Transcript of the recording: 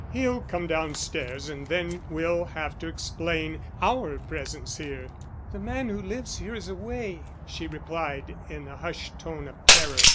"He'll come downstairs and then we'll have to explain our presence here." "The man who lives here is away," she replied, in a hushed tone of terror.